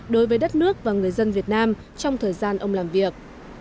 đối với đất nước và người dân việt nam trong thời gian ông làm việc